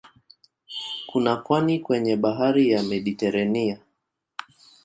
Kuna pwani kwenye bahari ya Mediteranea.